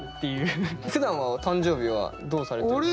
ふだんは誕生日はどうされてるんですか。